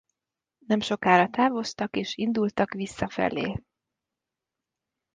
Nemsokára távoztak és indultak visszafelé.